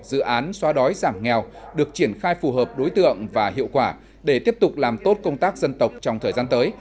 dự án xoa đói giảm nghèo được triển khai phù hợp đối tượng và hiệu quả để tiếp tục làm tốt công tác dân tộc trong thời gian tới